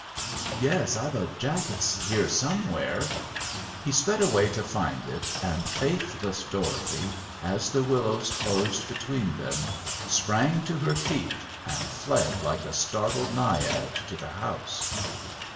"Yes, I've a jacket here somewhere." He sped away to find it, and faithless Dorothy, as the willows closed between them, sprang to her feet and fled like a startled Naiad to the house.